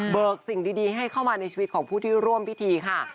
สิ่งดีให้เข้ามาในชีวิตของผู้ที่ร่วมพิธีค่ะ